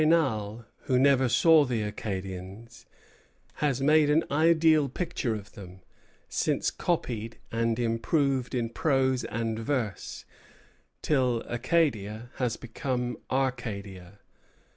Abbé Raynal, who never saw the Acadians, has made an ideal picture of them, since copied and improved in prose and verse, till Acadia has become Arcadia.